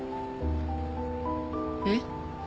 えっ？